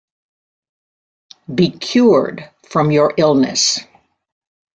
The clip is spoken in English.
Be cured from your illness.